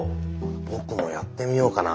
僕もやってみようかな。